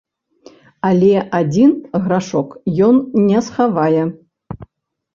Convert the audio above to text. Але адзін грашок ён не схавае.